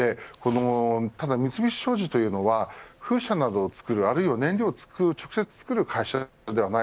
ただ三菱商事というのは風車などを作る、あるいは燃料を直接作る会社ではない。